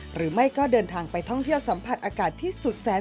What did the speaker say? หรือไม่ก็เดินทางไปท่องเที่ยวสัมผัสอากาศที่สุดแสน